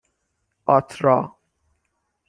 آترا